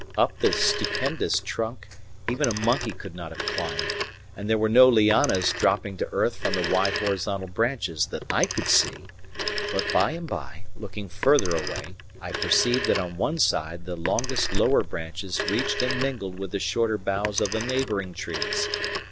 Up the stupendous trunk even a monkey could not have climbed, and there were no lianas dropping to earth from the wide horizontal branches that I could see; but by and by, looking further away, I perceived that on one side the longest lower branches reached and mingled with the shorter boughs of the neighbouring trees.